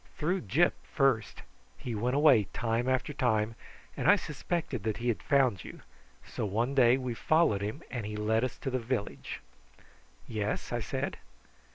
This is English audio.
"Through Gyp first. He went away time after time, and I suspected that he had found you, so one day we followed him and he led us to the village." "Yes?" I said.